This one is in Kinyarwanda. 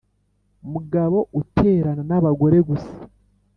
mugabo uterana n'abagore gusa